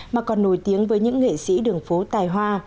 mà còn nổi tiếng với những nghệ sĩ đường phố tài hoa